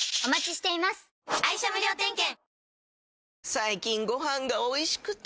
最近ご飯がおいしくて！